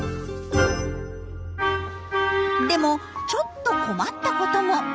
でもちょっと困ったことも。